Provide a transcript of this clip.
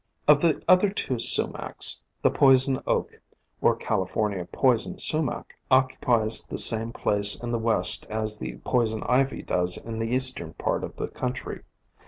" Of the other two Sumacs, the Poison Oak, or California Poison Sumac, occupies the same place in the west as the Poison Ivy does in the eastern part of the country.